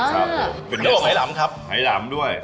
ครับเป็นไหล่หลำครับไหล่หลำด้วย